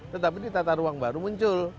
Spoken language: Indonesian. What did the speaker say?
tetapi di tata ruang baru muncul